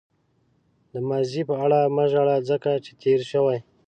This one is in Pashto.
د ماضي په اړه مه ژاړه ځکه چې تېر شوی.